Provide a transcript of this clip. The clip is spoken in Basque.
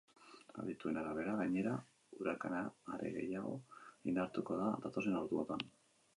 Adituen arabera, gainera, urakana are gehiago indartuko da datozen orduotan.